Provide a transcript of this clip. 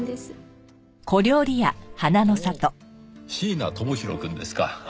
ほう椎名智弘くんですか。